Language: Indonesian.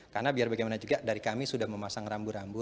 karena biar bagaimana juga dari kami sudah memasang rambu rambu